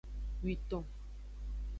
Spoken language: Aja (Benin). Witon.